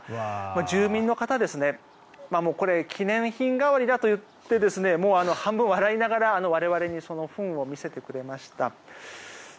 住民の方はこれは記念品変わりだと言って半分笑いながら我々に糞を見せてくれました。